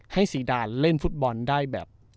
ให้สีดำเล่นฟุตบอลได้แบบ